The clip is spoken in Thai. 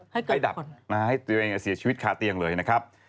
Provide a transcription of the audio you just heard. ใกล้ดับให้ตัวเองเสียชีวิตคาเตียงเลยนะครับ